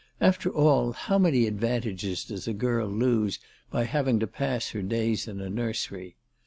After all, how many advantages does a girl lose by having to pass her days in a nursery